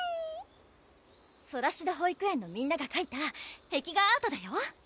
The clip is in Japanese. ソラシド保育園のみんながかいた壁画アートだよ！